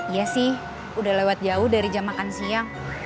iya sih udah lewat jauh dari jam makan siang